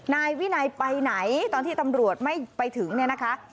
นายวินัยไปไหนตอนที่ตำรวจไม่ไปถึงเนี่ยนะคะ